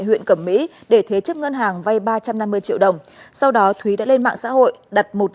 huyện cẩm mỹ để thế chấp ngân hàng vay ba trăm năm mươi triệu đồng sau đó thúy đã lên mạng xã hội đặt một